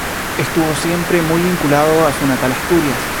Estuvo siempre muy vinculado a su natal Asturias.